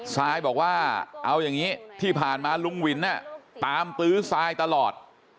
ซายบอกว่าเอาอย่างนี้ที่ผ่านมาลุงวินตามตื้อทรายตลอด